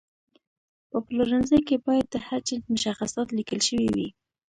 په پلورنځي کې باید د هر جنس مشخصات لیکل شوي وي.